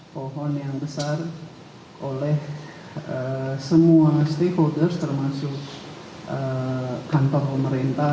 pohon yang besar oleh semua stakeholders termasuk kantor pemerintah